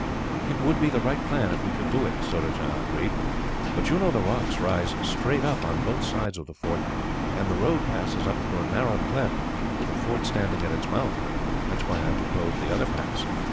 "It would be the right plan, if we could do it," Surajah agreed; "but you know the rocks rise straight up on both sides of the fort, and the road passes up through a narrow cleft, with the fort standing at its mouth. That is why I proposed the other pass."